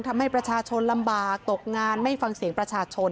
ทำให้ประชาชนลำบากตกงานไม่ฟังเสียงประชาชน